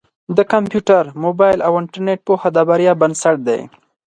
د کمپیوټر، مبایل او انټرنېټ پوهه د بریا بنسټ دی.